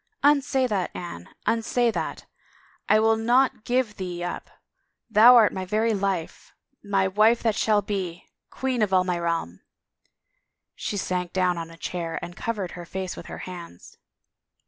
" Unsay that, Anne, unsay that. I will not give thee 196 f THE LAW'S DELAYS tip. Thou art my very life — my wife that shall be — queen of all my realm —" She sank down on a chair and covered her face with her hands.